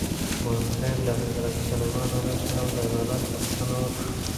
مرغۍ له حضرت سلیمان علیه السلام د عدالت غوښتنه وکړه.